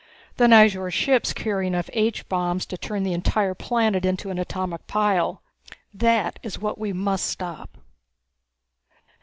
The Nyjord ships carry enough H bombs to turn the entire planet into an atomic pile. That is what we must stop."